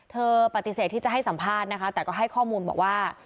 เธอปฏิเสธที่จะให้สัมภาษณ์นะคะแต่ก็ให้ข้อมูลบอกว่า